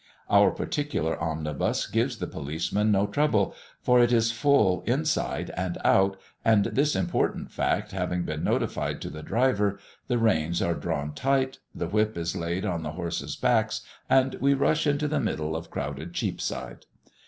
Our particular omnibus gives the policeman no trouble, for it is full, inside and out, and this important fact having been notified to the driver, the reins are drawn tight, the whip is laid on the horses' backs, and we rush into the middle of crowded Cheapside.